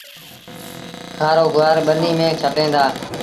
کآرو گُوآر ٻنيٚ ميݩ ڇٽيٚن دآ